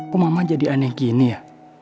kok mama jadi aneh gini ya